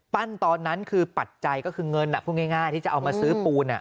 ตอนนั้นคือปัจจัยก็คือเงินพูดง่ายที่จะเอามาซื้อปูน